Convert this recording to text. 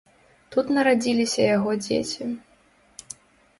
Тут нарадзіліся яго дзеці.